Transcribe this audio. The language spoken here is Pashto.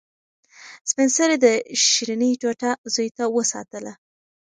سپین سرې د شیرني ټوټه زوی ته وساتله.